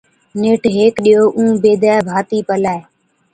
نيٺ هيڪ ڏِيئو اُون بيدَي ڀاتِي پلَي